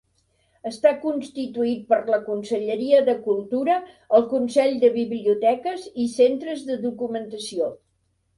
Està constituït per la Conselleria de Cultura, el Consell de Biblioteques i Centres de Documentació.